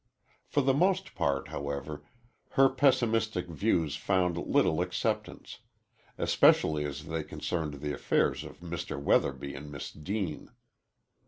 For the most part, however, her pessimistic views found little acceptance, especially as they concerned the affairs of Mr. Weatherby and Miss Deane.